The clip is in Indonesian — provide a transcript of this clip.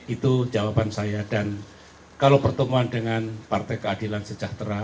itu jawaban saya dan kalau pertemuan dengan partai keadilan sejahtera